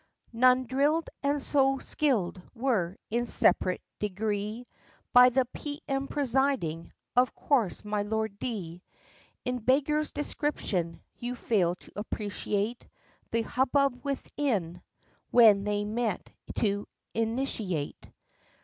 None drill'd and so skill'd were, in sep'rate degree, By the P. M. presiding (of course my Lord D.) It beggars description you'd fail to appreciate The hubbub within when they met to 'initiate.'